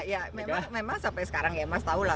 ya memang sampai sekarang ya mas tahu lah